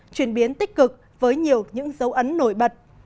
chuyển biến tích cực với nhiều những dấu ấn nổi bật